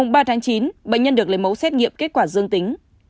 ngày ba tháng chín bệnh nhân được lấy mẫu xét nghiệm kết quả dương tính